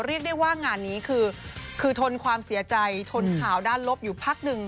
เรียกได้ว่างานนี้คือทนความเสียใจทนข่าวด้านลบอยู่พักหนึ่ง